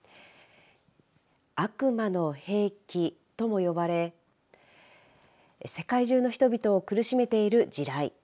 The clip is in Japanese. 悪魔の兵器とも呼ばれ世界中の人々を苦しめている地雷。